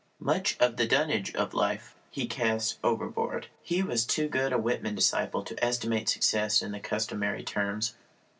Much of the dunnage of life he cast overboard. He was too good a Whitman disciple to estimate success in the customary terms.